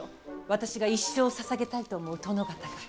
私が一生を捧げたいと思う殿方が。